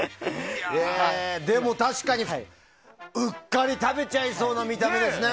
でも、確かにうっかり食べちゃいそうな見た目ですね。